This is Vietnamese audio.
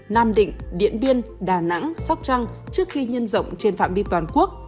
nam định điện biên đà nẵng sóc trăng trước khi nhân rộng trên phạm vi toàn quốc